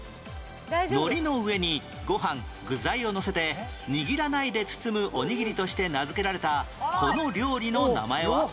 海苔の上にご飯具材をのせて握らないで包むおにぎりとして名付けられたこの料理の名前は？